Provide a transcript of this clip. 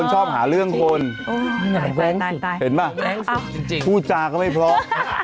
แชร์กันอยู่พวกเรา